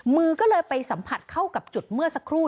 มือก็เลยไปสัมผัสเข้ากับจุดเมื่อสักครู่